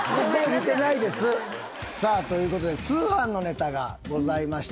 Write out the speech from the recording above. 似てないです。ということで通販のネタがございました。